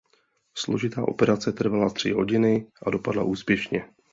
Složitá operace trvala tři hodiny a dopadla úspěšně.